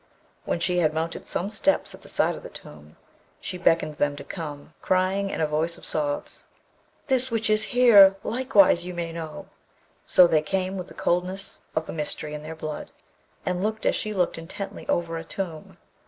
When she had mounted some steps at the side of the tomb, she beckoned them to come, crying, in a voice of sobs, 'This which is here, likewise ye may know.' So they came with the coldness of a mystery in their blood, and looked as she looked intently over a tomb.